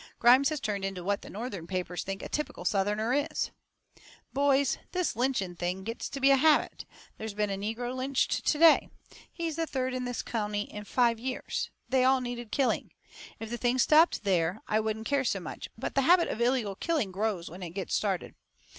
Grimes has turned into what the Northern newspapers think a typical Southerner is. "Boys, this thing of lynching gets to be a habit. There's been a negro lynched to day. He's the third in this county in five years. They all needed killing. If the thing stopped there I wouldn't care so much. But the habit of illegal killing grows when it gets started.